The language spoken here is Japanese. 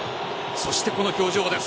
そして、この表情です。